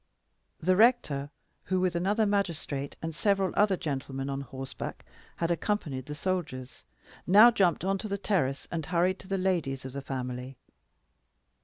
The rector, who with another magistrate and several other gentlemen on horseback had accompanied the soldiers, now jumped on to the terrace, and hurried to the ladies of the family.